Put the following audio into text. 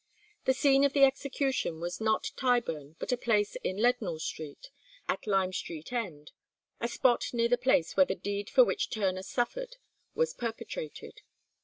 The scene of the execution was not Tyburn but a place in Leadenhall Street at Lime Street end, a spot near the place where the deed for which Turner suffered was perpetrated.